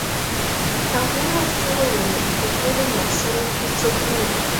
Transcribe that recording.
هغې ورته وویل په ټول ناصرو کې څوک نه وو.